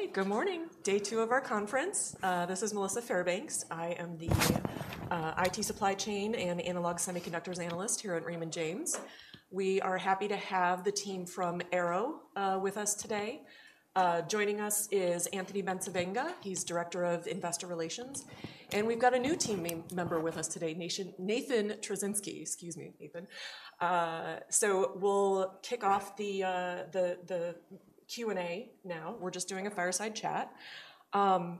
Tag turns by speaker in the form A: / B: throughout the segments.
A: Okay, good morning. Day two of our conference. This is Melissa Fairbanks. I am the IT Supply Chain and Analog Semiconductors Analyst here at Raymond James. We are happy to have the team from Arrow with us today. Joining us is Anthony Bencivenga, he's Director of Investor Relations, and we've got a new team member with us today, Nathan Troscinski. Excuse me, Nathan. So we'll kick off the Q&A now. We're just doing a fireside chat.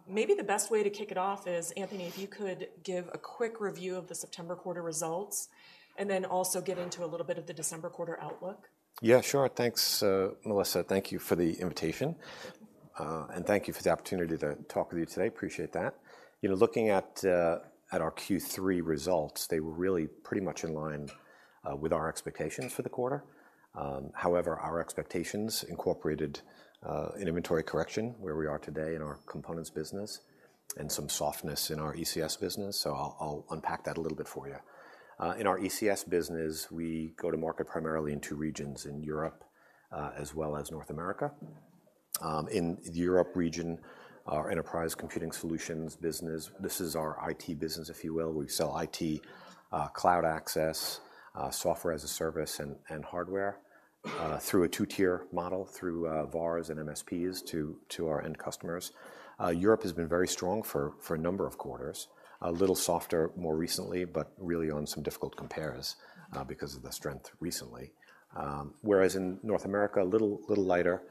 A: Maybe the best way to kick it off is, Anthony, if you could give a quick review of the September quarter results, and then also get into a little bit of the December quarter outlook.
B: Yeah, sure. Thanks, Melissa. Thank you for the invitation, and thank you for the opportunity to talk with you today. Appreciate that. You know, looking at our Q3 results, they were really pretty much align with our expectations for the quarter. However, our expectations incorporated an inventory correction, where we are today in our components business, and some softness in our ECS business. So I'll unpack that a little bit for you. In our ECS business, we go to market primarily in two regions, in Europe, as well as North America. In the Europe region, our Enterprise Computing Solutions business, this is our IT business, if you will. We sell IT, cloud access, software as a service, and hardware, through a two-tier model, through VARs and MSPs to our end customers. Europe has been very strong for a number of quarters. A little softer more recently, but really on some difficult compares, because of the strength recently. Whereas in North America, a little lighter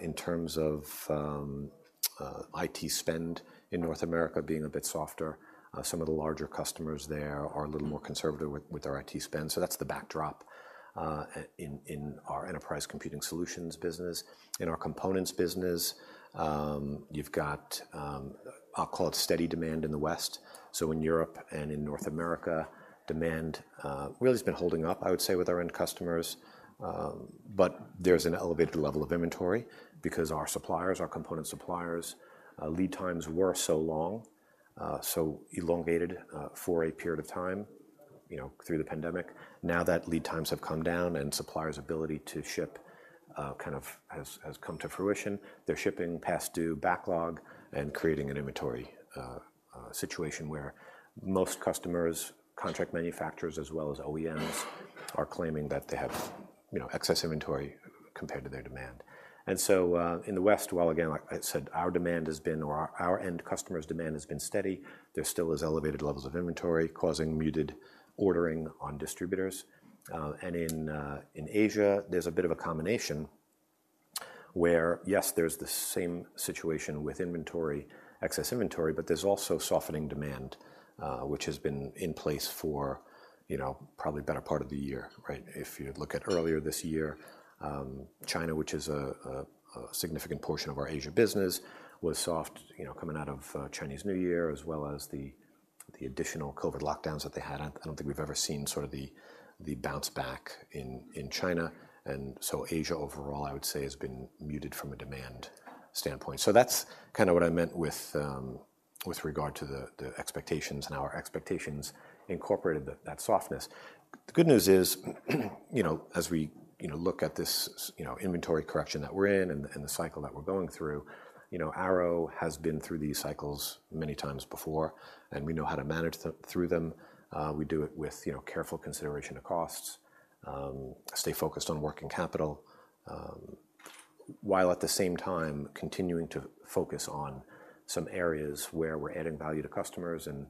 B: in terms of IT spend in North America being a bit softer. Some of the larger customers there are a little more conservative with their IT spend. So that's the backdrop in our Enterprise Computing Solutions business. In our components business, you've got, I'll call it steady demand in the West. So in Europe and in North America, demand really has been holding up, I would say, with our end customers. But there's an elevated level of inventory because our suppliers, our component suppliers, lead times were so long, so elongated, for a period of time, you know, through the pandemic. Now that lead times have come down and suppliers' ability to ship, kind of, has come to fruition, they're shipping past due backlog and creating an inventory situation where most customers, contract manufacturers, as well as OEMs, are claiming that they have, you know, excess inventory compared to their demand. So, in the West, while again, like I said, our demand has been, or our end customers' demand has been steady, there still is elevated levels of inventory causing muted ordering on distributors. And in Asia, there's a bit of a combination where, yes, there's the same situation with inventory, excess inventory, but there's also softening demand, which has been in place for, you know, probably better part of the year, right? If you look at earlier this year, China, which is a significant portion of our Asia business, was soft, you know, coming out of Chinese New Year, as well as the additional COVID lockdowns that they had. I don't think we've ever seen sort of the bounce back in China. And so Asia, overall, I would say, has been muted from a demand standpoint. So that's kind of what I meant with regard to the expectations, and our expectations incorporated that softness. The good news is, you know, as we, you know, look at this, you know, inventory correction that we're in and the cycle that we're going through, you know, Arrow has been through these cycles many times before, and we know how to manage them through them. We do it with, you know, careful consideration of costs, stay focused on working capital, while at the same time continuing to focus on some areas where we're adding value to customers and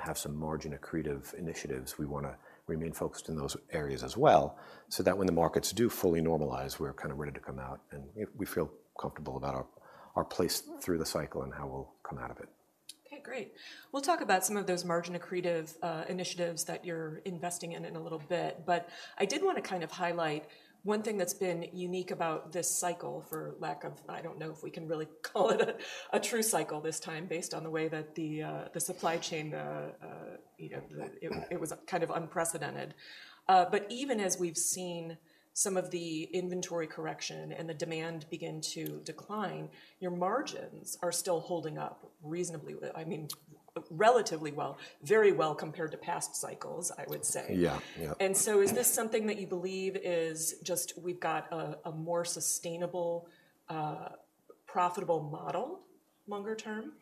B: have some margin-accretive initiatives. We wanna remain focused in those areas as well, so that when the markets do fully normalize, we're kind of ready to come out, and we feel comfortable about our place through the cycle and how we'll come out of it.
A: Okay, great. We'll talk about some of those margin-accretive initiatives that you're investing in in a little bit. But I did wanna kind of highlight one thing that's been unique about this cycle, for lack of... I don't know if we can really call it a true cycle this time, based on the way that the supply chain, you know, the-
B: Right.
A: It was kind of unprecedented. But even as we've seen some of the inventory correction and the demand begin to decline, your margins are still holding up reasonably, I mean, relatively well, very well compared to past cycles, I would say.
B: Yeah. Yeah.
A: So is this something that you believe is just we've got a more sustainable, profitable model longer term?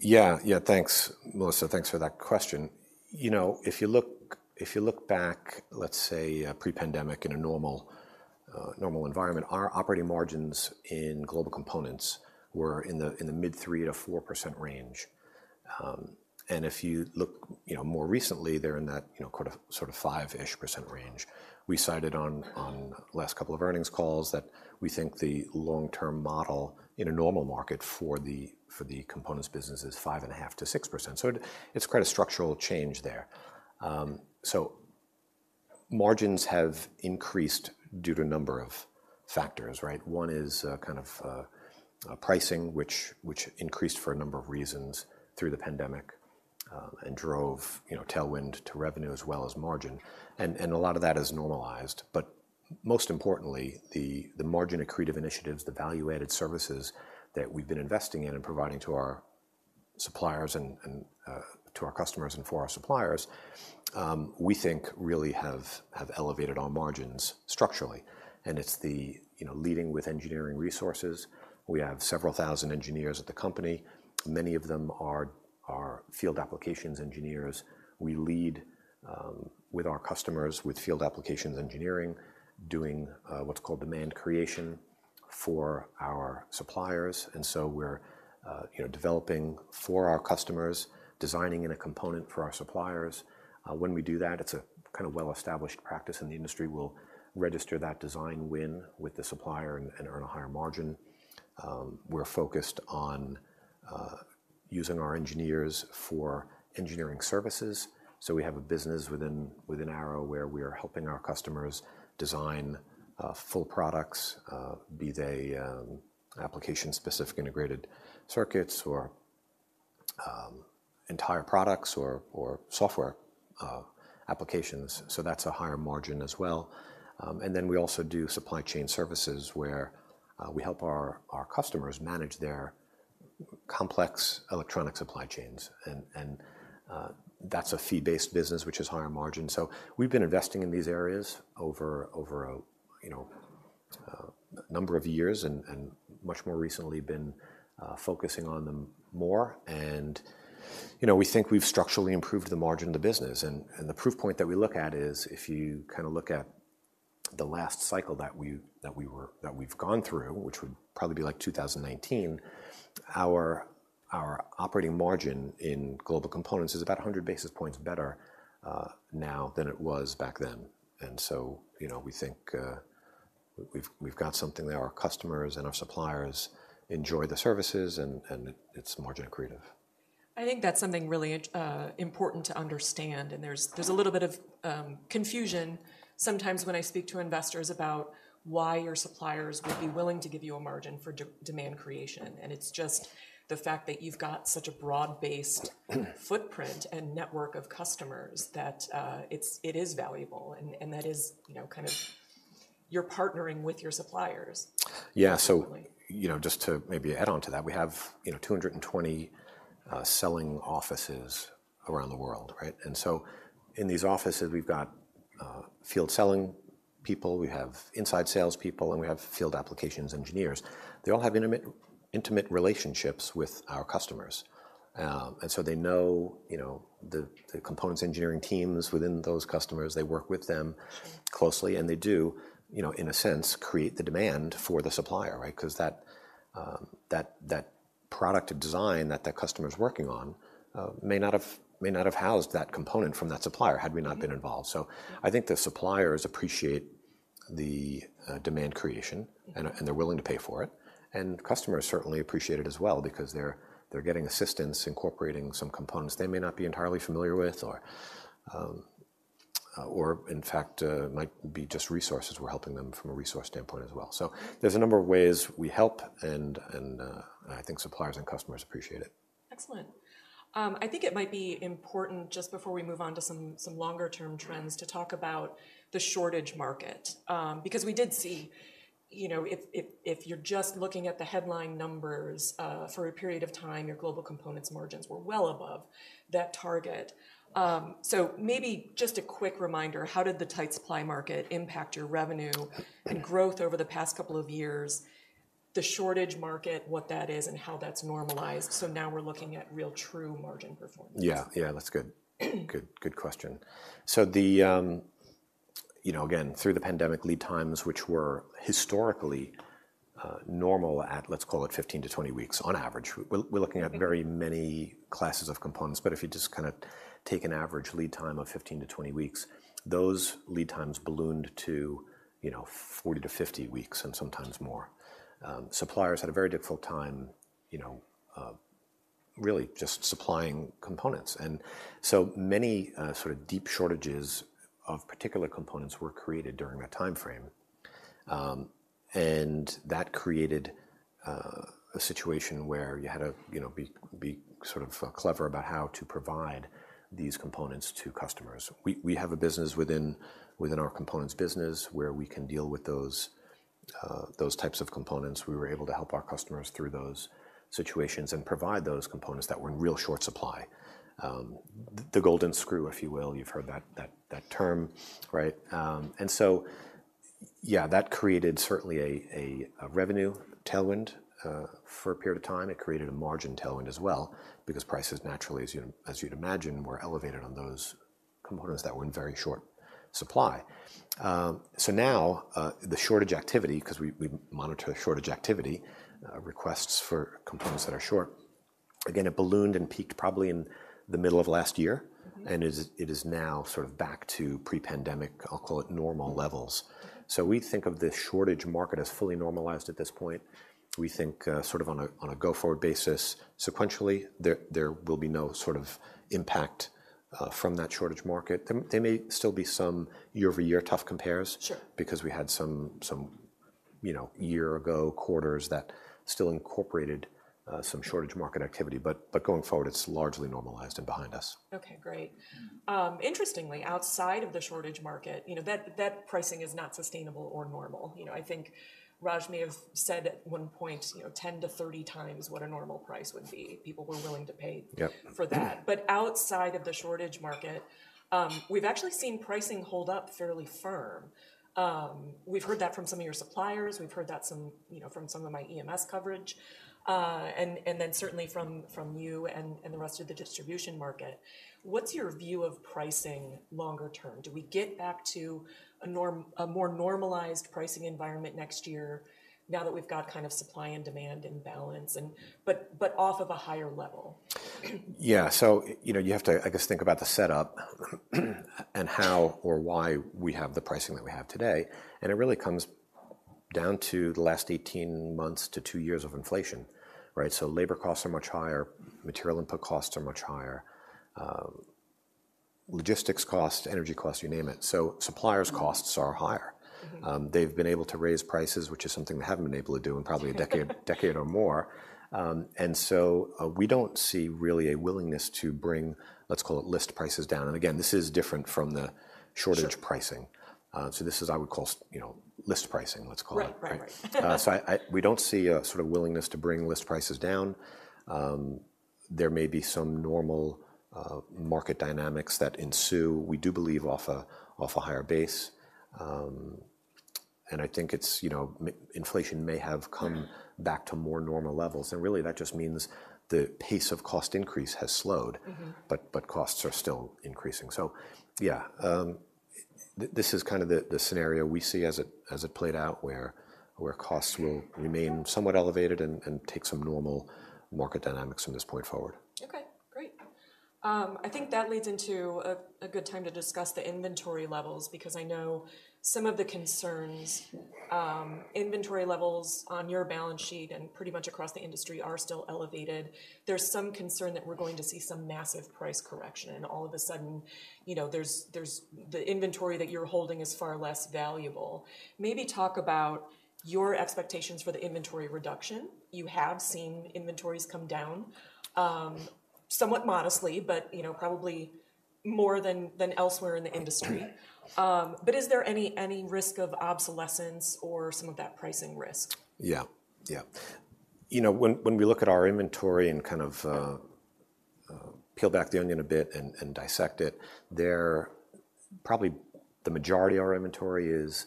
B: Yeah. Yeah, thanks, Melissa. Thanks for that question. You know, if you look, if you look back, let's say, pre-pandemic, in a normal, normal environment, our operating margins in Global Components were in the, in the mid 3%-4% range. And if you look, you know, more recently, they're in that, you know, quarter, sort of 5-ish% range. We cited on, on the last couple of earnings calls that we think the long-term model in a normal market for the, for the components business is 5.5%-6%. So it, it's quite a structural change there. So margins have increased due to a number of factors, right? One is, kind of, pricing, which increased for a number of reasons through the pandemic, and drove, you know, tailwind to revenue as well as margin, and a lot of that is normalized. But most importantly, the margin-accretive initiatives, the value-added services that we've been investing in and providing to our suppliers and to our customers and for our suppliers, we think really have elevated our margins structurally, and it's the, you know, leading with engineering resources. We have several thousand engineers at the company, many of them are field applications engineers. We lead with our customers with field applications engineering, doing what's called demand creation for our suppliers. And so we're, you know, developing for our customers, designing in a component for our suppliers. When we do that, it's a kind of well-established practice, and the industry will register that design win with the supplier and earn a higher margin. We're focused on using our engineers for engineering services. So we have a business within Arrow, where we are helping our customers design full products, be they application-specific integrated circuits or entire products or software applications. So that's a higher margin as well. And then we also do supply chain services, where we help our customers manage their complex electronic supply chains. And that's a fee-based business, which is higher margin. So we've been investing in these areas over a, you know, number of years and much more recently been focusing on them more. And, you know, we think we've structurally improved the margin of the business. And, and the proof point that we look at is, if you kind of look at the last cycle that we've gone through, which would probably be like 2019, our operating margin in Global Components is about 100 basis points better now than it was back then. And so, you know, we've got something there. Our customers and our suppliers enjoy the services, and it's margin accretive.
A: I think that's something really important to understand, and there's a little bit of confusion sometimes when I speak to investors about why your suppliers would be willing to give you a margin for demand creation. And it's just the fact that you've got such a broad-based-
B: Mm...
A: footprint and network of customers, that it is valuable. And that is, you know, kind of you're partnering with your suppliers.
B: Yeah. Absolutely. So, you know, just to maybe add on to that, we have, you know, 220 selling offices around the world, right? And so in these offices, we've got field selling people, we have inside salespeople, and we have field applications engineers. They all have intimate, intimate relationships with our customers. And so they know, you know, the components engineering teams within those customers. They work with them closely, and they do, you know, in a sense, create the demand for the supplier, right? 'Cause that product design that the customer's working on may not have housed that component from that supplier had we not-
A: Yeah...
B: been involved. So I think the suppliers appreciate the demand creation-
A: Yeah...
B: and they're willing to pay for it, and customers certainly appreciate it as well because they're getting assistance incorporating some components they may not be entirely familiar with or in fact might be just resources. We're helping them from a resource standpoint as well. So there's a number of ways we help, and I think suppliers and customers appreciate it.
A: Excellent. I think it might be important, just before we move on to some longer-term trends, to talk about the shortage market. Because we did see, you know, if you're just looking at the headline numbers, for a period of time, your Global Components margins were well above that target. So maybe just a quick reminder, how did the tight supply market impact your revenue and growth over the past couple of years? The shortage market, what that is, and how that's normalized, so now we're looking at real true margin performance.
B: Yeah. Yeah, that's good. Good, good question. So the, you know, again, through the pandemic lead times, which were historically normal at, let's call it 15-20 weeks on average. We're looking at-
A: Mm...
B: very many classes of components, but if you just kinda take an average lead time of 15-20 weeks, those lead times ballooned to, you know, 40-50 weeks and sometimes more. Suppliers had a very difficult time, you know, really just supplying components. And so many sort of deep shortages of particular components were created during that timeframe. And that created a situation where you had to, you know, be sort of clever about how to provide these components to customers. We have a business within our components business, where we can deal with those types of components. We were able to help our customers through those situations and provide those components that were in real short supply. The golden screw, if you will, you've heard that term, right? And so, yeah, that created certainly a revenue tailwind for a period of time. It created a margin tailwind as well, because prices naturally, as you'd imagine, were elevated on those components that were in very short supply. So now, the shortage activity, 'cause we monitor shortage activity, requests for components that are short, again, it ballooned and peaked probably in the middle of last year-
A: Mm-hmm...
B: and is, it is now sort of back to pre-pandemic, I'll call it, normal levels. So we think of the shortage market as fully normalized at this point. We think sort of on a go-forward basis, sequentially, there will be no sort of impact from that shortage market. There may still be some year-over-year tough compares-
A: Sure...
B: because we had some, you know, year ago quarters that still incorporated some shortage market activity, but going forward, it's largely normalized and behind us.
A: Okay, great. Interestingly, outside of the shortage market, you know, that, that pricing is not sustainable or normal. You know, I think Raj may have said at one point, you know, 10-30 times what a normal price would be. People were willing to pay-
B: Yep.
A: For that. But outside of the shortage market, we've actually seen pricing hold up fairly firm. We've heard that from some of your suppliers, we've heard that some, you know, from some of my EMS coverage, and then certainly from you and the rest of the distribution market. What's your view of pricing longer term? Do we get back to a more normalized pricing environment next year, now that we've got kind of supply and demand in balance, but off of a higher level?
B: Yeah. So, you know, you have to, I guess, think about the setup, and how or why we have the pricing that we have today, and it really comes down to the last 18 months to 2 years of inflation, right? So suppliers' costs are higher.
A: Mm-hmm.
B: They've been able to raise prices, which is something they haven't been able to do in probably a decade or more. And so, we don't see really a willingness to bring, let's call it, list prices down. And again, this is different from the-
A: Sure...
B: shortage pricing. So this is, I would call, you know, list pricing, let's call it.
A: Right, right, right.
B: So, we don't see a sort of willingness to bring list prices down. There may be some normal market dynamics that ensue, we do believe off a higher base. And I think it's, you know, inflation may have come-
A: Yeah...
B: back to more normal levels, and really that just means the pace of cost increase has slowed.
A: Mm-hmm.
B: But costs are still increasing. So yeah, this is kind of the scenario we see as it played out, where costs will-
A: Mm...
B: remain somewhat elevated and take some normal market dynamics from this point forward.
A: Okay, great. I think that leads into a good time to discuss the inventory levels, because I know some of the concerns, inventory levels on your balance sheet and pretty much across the industry are still elevated. There's some concern that we're going to see some massive price correction, and all of a sudden, you know, the inventory that you're holding is far less valuable. Maybe talk about your expectations for the inventory reduction. You have seen inventories come down somewhat modestly, but, you know, probably more than elsewhere in the industry. But is there any risk of obsolescence or some of that pricing risk?
B: Yeah, yeah. You know, when we look at our inventory and kind of peel back the onion a bit and dissect it, there probably the majority of our inventory is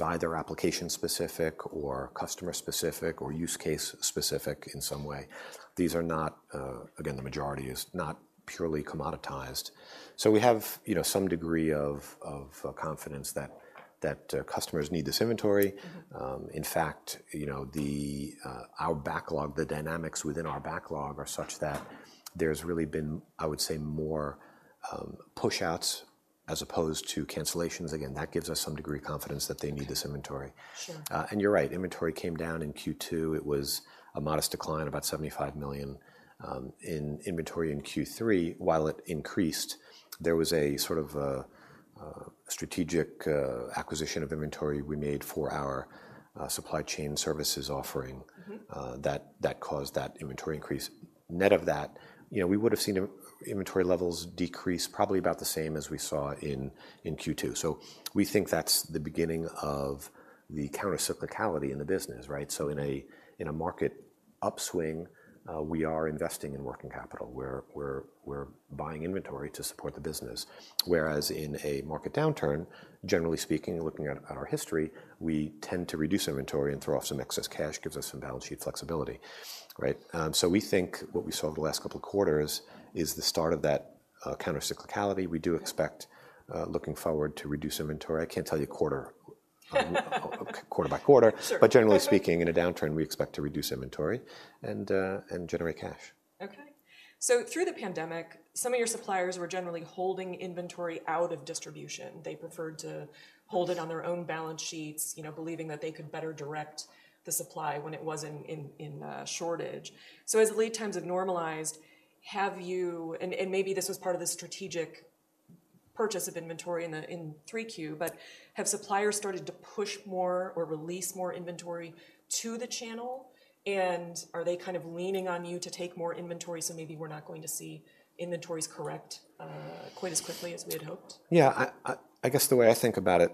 B: either application specific or customer specific or use case specific in some way. These are not... Again, the majority is not purely commoditized. So we have, you know, some degree of confidence that customers need this inventory.
A: Mm-hmm.
B: In fact, you know, our backlog, the dynamics within our backlog are such that there's really been, I would say, more push-outs as opposed to cancellations. Again, that gives us some degree of confidence that they need this inventory.
A: Sure.
B: and you're right, inventory came down in Q2. It was a modest decline, about $75 million. Inventory in Q3, while it increased, there was a sort of a strategic acquisition of inventory we made for our supply chain services offering-
A: Mm-hmm...
B: that that caused that inventory increase. Net of that, you know, we would have seen inventory levels decrease probably about the same as we saw in Q2. So we think that's the beginning of the countercyclicality in the business, right? So in a market upswing, we are investing in working capital. We're buying inventory to support the business. Whereas in a market downturn, generally speaking and looking at our history, we tend to reduce inventory and throw off some excess cash, gives us some balance sheet flexibility, right? So we think what we saw over the last couple of quarters is the start of that countercyclicality. We do expect, looking forward to reduce inventory. I can't tell you quarter-by-quarter.
A: Sure.
B: But generally speaking, in a downturn, we expect to reduce inventory and generate cash.
A: Okay. So through the pandemic, some of your suppliers were generally holding inventory out of distribution. They preferred to hold it on their own balance sheets, you know, believing that they could better direct the supply when it was in shortage. So as lead times have normalized, have you... And maybe this was part of the strategic purchase of inventory in 3Q, but have suppliers started to push more or release more inventory to the channel? And are they kind of leaning on you to take more inventory, so maybe we're not going to see inventories correct quite as quickly as we had hoped?
B: Yeah, I guess the way I think about it,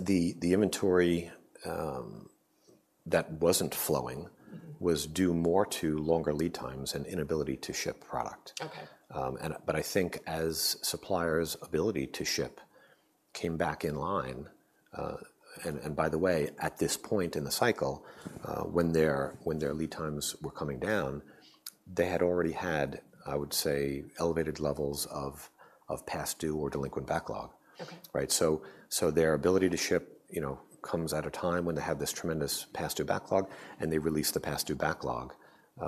B: the inventory that wasn't flowing-
A: Mm-hmm...
B: was due more to longer lead times and inability to ship product.
A: Okay.
B: But I think as suppliers' ability to ship came back in line. And by the way, at this point in the cycle, when their lead times were coming down, they had already had, I would say, elevated levels of past due or delinquent backlog.
A: Okay.
B: Right? So, so their ability to ship, you know, comes at a time when they have this tremendous past due backlog, and they release the past due backlog,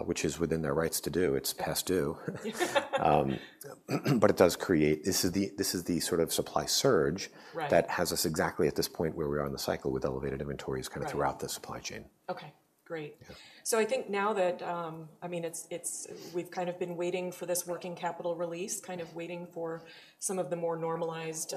B: which is within their rights to do. It's past due. But it does create... This is the sort of supply surge-
A: Right...
B: that has us exactly at this point where we are in the cycle with elevated inventories-
A: Right...
B: kind of throughout the supply chain.
A: Okay.... Great.
B: Yeah.
A: So I think now that, I mean, we've kind of been waiting for this working capital release, kind of waiting for some of the more normalized,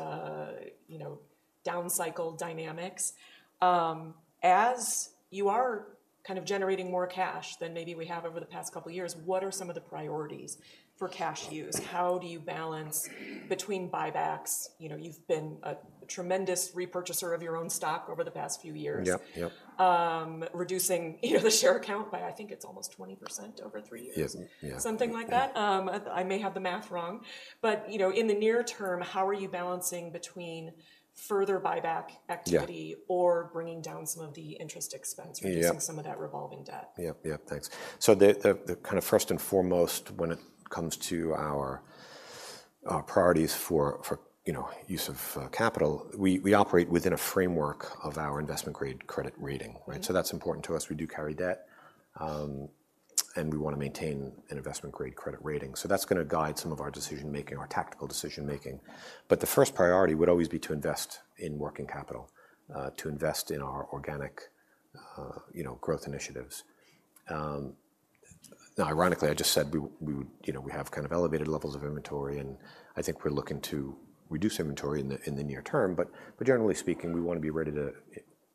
A: you know, downcycle dynamics. As you are kind of generating more cash than maybe we have over the past couple of years, what are some of the priorities for cash use? How do you balance between buybacks? You know, you've been a tremendous re-purchaser of your own stock over the past few years.
B: Yep, yep.
A: Reducing, you know, the share count by, I think it's almost 20% over 3 years.
B: Yes. Yeah.
A: Something like that. I may have the math wrong, but, you know, in the near term, how are you balancing between further buyback activity?
B: Yeah.
A: or bringing down some of the interest expense
B: Yep.
A: -reducing some of that revolving debt?
B: Yep, yep. Thanks. So the kind of first and foremost, when it comes to our priorities for, you know, use of capital, we operate within a framework of our investment grade credit rating, right?
A: Mm-hmm.
B: So that's important to us. We do carry debt, and we wanna maintain an investment-grade credit rating. So that's gonna guide some of our decision-making, our tactical decision-making. But the first priority would always be to invest in working capital, to invest in our organic, you know, growth initiatives. Now, ironically, I just said we would, you know, we have kind of elevated levels of inventory, and I think we're looking to reduce inventory in the near term, but generally speaking, we wanna be ready to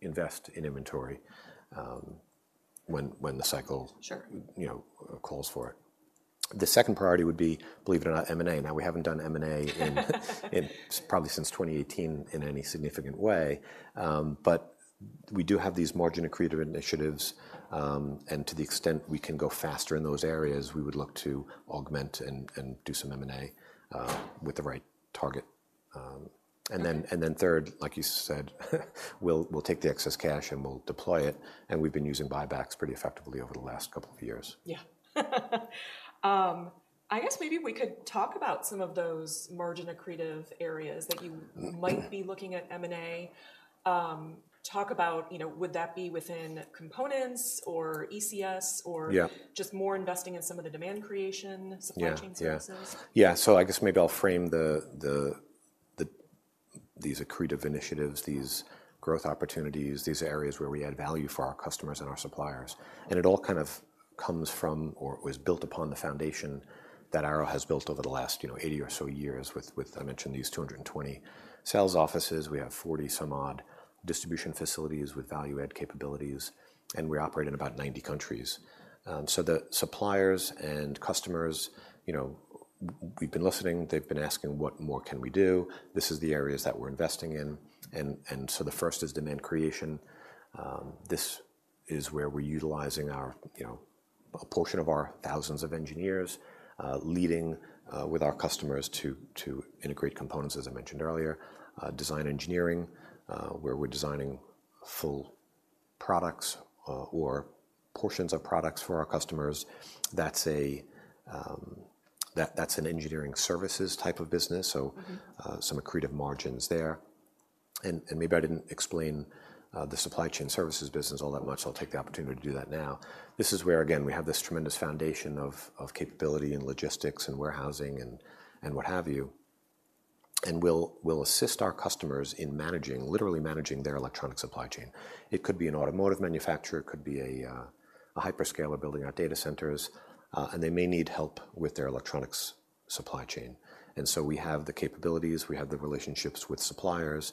B: invest in inventory, when the cycle-
A: Sure...
B: you know, calls for it. The second priority would be, believe it or not, M&A. Now, we haven't done M&A in probably since 2018 in any significant way. But we do have these margin-accretive initiatives, and to the extent we can go faster in those areas, we would look to augment and do some M&A with the right target. And then third, like you said, we'll take the excess cash, and we'll deploy it, and we've been using buybacks pretty effectively over the last couple of years.
A: Yeah. I guess maybe we could talk about some of those margin-accretive areas that you-
B: Mm...
A: might be looking at M&A. Talk about, you know, would that be within components or ECS or-
B: Yeah
A: -just more investing in some of the demand creation-
B: Yeah
A: Supply chain services?
B: Yeah. So I guess maybe I'll frame the these accretive initiatives, these growth opportunities, these areas where we add value for our customers and our suppliers. And it all kind of comes from or was built upon the foundation that Arrow has built over the last, you know, 80 or so years with I mentioned these 220 sales offices. We have 40-some-odd distribution facilities with value-add capabilities, and we operate in about 90 countries. So the suppliers and customers, you know, we've been listening, they've been asking: What more can we do? This is the areas that we're investing in, and so the first is demand creation. This is where we're utilizing our, you know, a portion of our thousands of engineers, leading with our customers to integrate components, as I mentioned earlier, design engineering, where we're designing full products, or portions of products for our customers. That's an engineering services type of business, so-
A: Mm-hmm...
B: some accretive margins there. And, and maybe I didn't explain the supply chain services business all that much. I'll take the opportunity to do that now. This is where, again, we have this tremendous foundation of capability and logistics and warehousing and what have you, and we'll assist our customers in managing, literally managing their electronic supply chain. It could be an automotive manufacturer, could be a hyperscaler building out data centers, and they may need help with their electronics supply chain. And so we have the capabilities, we have the relationships with suppliers,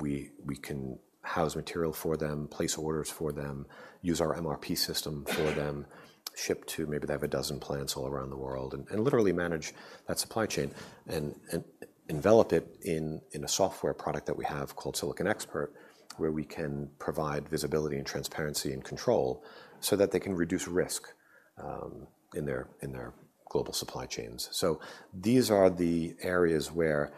B: we can house material for them, place orders for them, use our MRP system for them, ship to maybe they have a dozen plants all around the world and literally manage that supply chain and envelop it in a software product that we have called SiliconExpert, where we can provide visibility and transparency and control so that they can reduce risk in their global supply chains. So these are the areas where,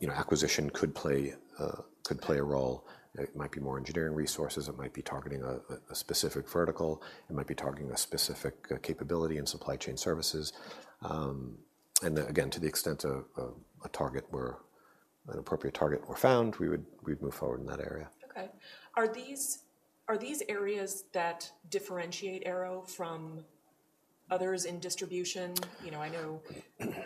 B: you know, acquisition could play a role. It might be more engineering resources, it might be targeting a specific vertical, it might be targeting a specific capability and supply chain services. And again, to the extent of a target where an appropriate target were found, we would, we'd move forward in that area.
A: Okay. Are these, are these areas that differentiate Arrow from others in distribution? You know, I know-...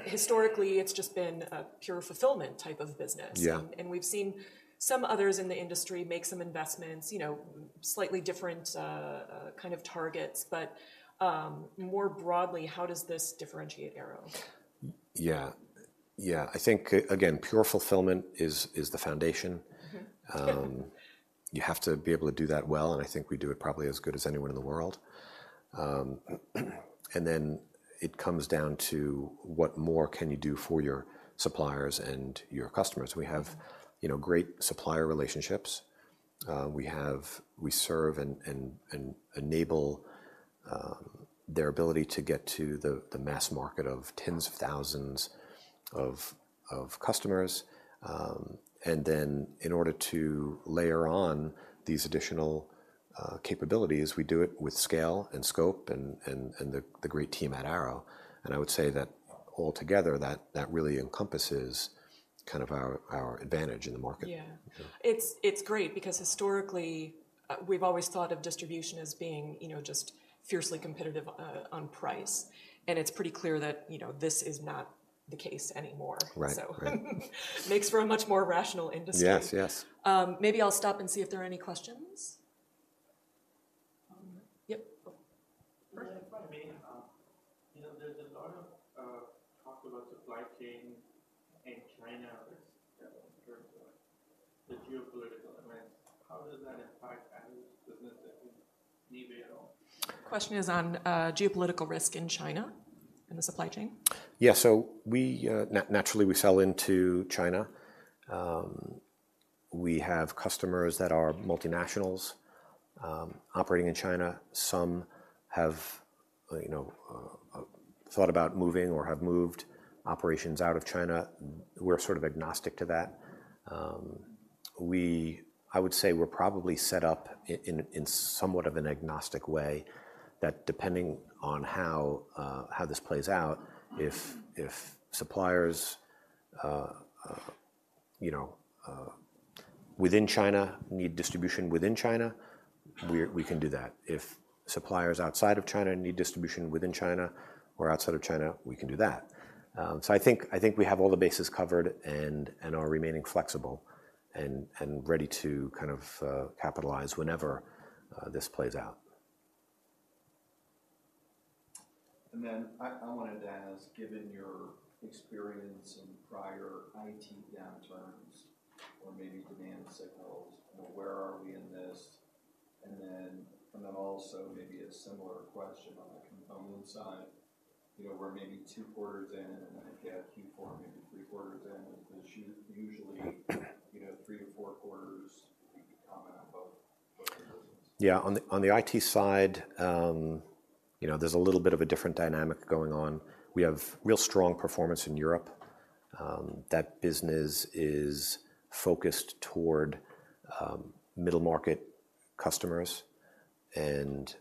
A: historically, it's just been a pure fulfillment type of business.
B: Yeah.
A: We've seen some others in the industry make some investments, you know, slightly different kind of targets. But more broadly, how does this differentiate Arrow?
B: Yeah. Yeah. I think, again, pure fulfillment is the foundation.
A: Mm-hmm. Yeah.
B: You have to be able to do that well, and I think we do it probably as good as anyone in the world. And then it comes down to what more can you do for your suppliers and your customers? We have, you know, great supplier relationships. We serve and enable their ability to get to the mass market of tens of thousands of customers. And then in order to layer on these additional capabilities, we do it with scale and scope and the great team at Arrow. And I would say that altogether, that really encompasses kind of our advantage in the market.
A: Yeah.
B: Yeah.
A: It's great because historically, we've always thought of distribution as being, you know, just fiercely competitive on price. It's pretty clear that, you know, this is not the case anymore.
B: Right, right.
A: Makes for a much more rational industry.
B: Yes, yes.
A: Maybe I'll stop and see if there are any questions. Yep.
C: Yeah, if I may, you know, there's a lot of talk about supply chain in China in terms of the geopolitical. I mean, how does that impact?
A: The question is on geopolitical risk in China, in the supply chain.
B: Yeah. So we naturally sell into China. We have customers that are multinationals operating in China. Some have, you know, thought about moving or have moved operations out of China. We're sort of agnostic to that. I would say we're probably set up in somewhat of an agnostic way, that depending on how this plays out, if suppliers you know within China need distribution within China, we can do that. If suppliers outside of China need distribution within China or outside of China, we can do that. So I think we have all the bases covered and are remaining flexible and ready to kind of capitalize whenever this plays out.
C: Then I wanted to ask, given your experience in prior IT downturns or maybe demand signals, where are we in this? And then also maybe a similar question on the component side, you know, we're maybe 2 quarters in, and then if you have Q4, maybe 3 quarters in, is this usually—you know, 3-4 quarters? If you could comment on both of those.
B: Yeah. On the IT side, you know, there's a little bit of a different dynamic going on. We have real strong performance in Europe. That business is focused toward middle-market customers, and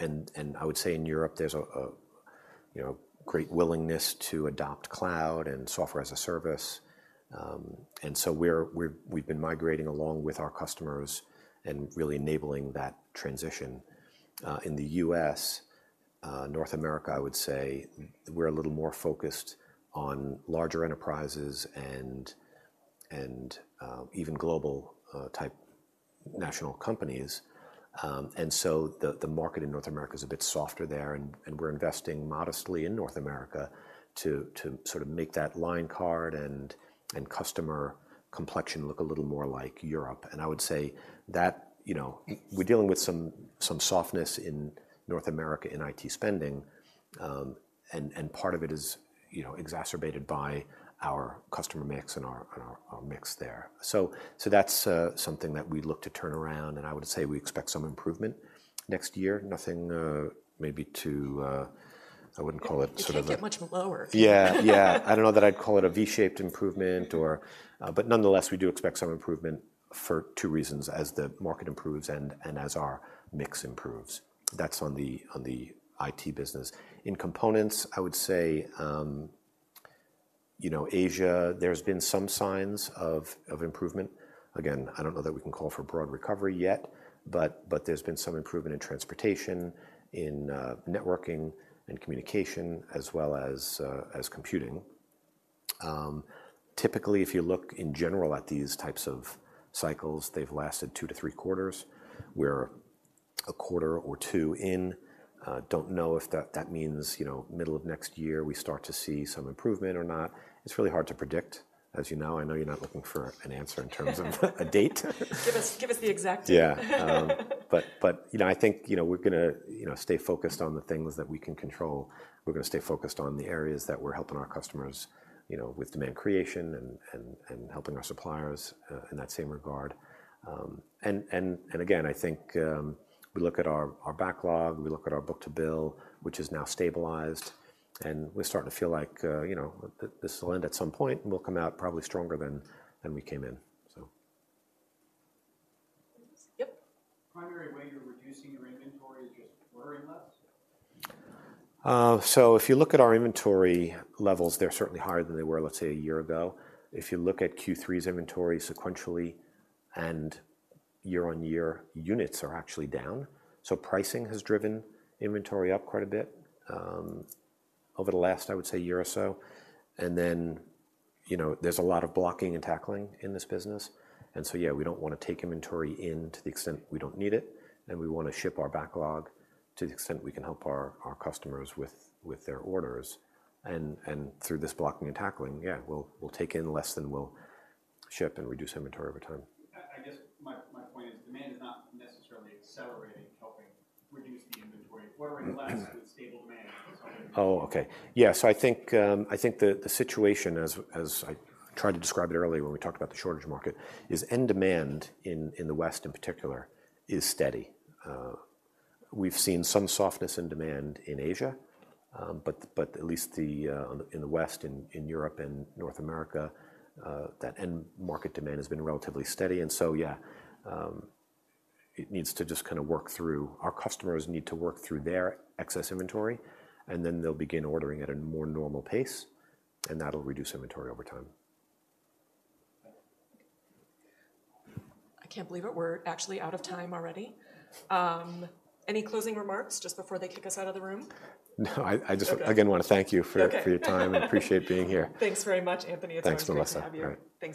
B: I would say in Europe, there's a you know, great willingness to adopt cloud and software as a service. And so we've been migrating along with our customers and really enabling that transition. In the U.S., North America, I would say we're a little more focused on larger enterprises and even global type national companies. And so the market in North America is a bit softer there, and we're investing modestly in North America to sort of make that line card and customer complexion look a little more like Europe. And I would say that, you know, we're dealing with some softness in North America, in IT spending, and part of it is, you know, exacerbated by our customer mix and our mix there. So that's something that we look to turn around, and I would say we expect some improvement next year. Nothing, maybe to, I wouldn't call it sort of-
A: It can't get much lower.
B: Yeah, yeah. I don't know that I'd call it a V-shaped improvement or... but nonetheless, we do expect some improvement for two reasons, as the market improves and as our mix improves. That's on the IT business. In components, I would say, you know, Asia, there's been some signs of improvement. Again, I don't know that we can call for broad recovery yet, but there's been some improvement in transportation, in networking, and communication, as well as computing. Typically, if you look in general at these types of cycles, they've lasted two to three quarters, where a quarter or two in, don't know if that means, you know, middle of next year, we start to see some improvement or not. It's really hard to predict, as you know. I know you're not looking for an answer in terms of a date.
A: Give us, give us the exact date.
B: Yeah. But, you know, I think, you know, we're gonna, you know, stay focused on the things that we can control. We're gonna stay focused on the areas that we're helping our customers, you know, with demand creation and helping our suppliers in that same regard. And again, I think we look at our backlog, we look at our book-to-bill, which is now stabilized, and we're starting to feel like, you know, this will end at some point, and we'll come out probably stronger than we came in, so.
A: Yep.
C: Primary way you're reducing your inventory is just ordering less?
B: So if you look at our inventory levels, they're certainly higher than they were, let's say, a year ago. If you look at Q3's inventory sequentially and year-on-year, units are actually down, so pricing has driven inventory up quite a bit, over the last, I would say, year or so. And then, you know, there's a lot of blocking and tackling in this business, and so, yeah, we don't wanna take inventory in to the extent we don't need it, and we wanna ship our backlog to the extent we can help our, our customers with, with their orders. And, and through this blocking and tackling, yeah, we'll, we'll take in less than we'll ship and reduce inventory over time.
C: I guess my point is, demand is not necessarily accelerating, helping reduce the inventory. Ordering less with stable demand.
B: Oh, okay. Yeah, so I think the situation as I tried to describe it earlier when we talked about the shortage market is end demand in the West, in particular, is steady. We've seen some softness in demand in Asia, but at least in the West, in Europe and North America, that end market demand has been relatively steady, and so, yeah, it needs to just kind of work through. Our customers need to work through their excess inventory, and then they'll begin ordering at a more normal pace, and that'll reduce inventory over time.
A: I can't believe it. We're actually out of time already. Any closing remarks just before they kick us out of the room?
B: No, I just-
A: Okay.
B: again, wanna thank you for
A: Okay.
B: for your time. I appreciate being here.
A: Thanks very much, Anthony.
B: Thanks, Melissa.
A: It's always great to have you.
B: All right.
A: Thanks, everyone.